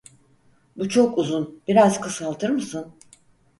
Bu çok uzun, biraz kısaltır mısın?